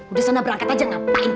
udah sana berangkat aja ngapain